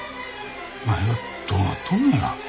何がどうなっとんのや？